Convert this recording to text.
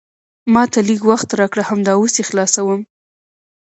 ما ته لیژ وخت راکړه، همدا اوس یې خلاصوم.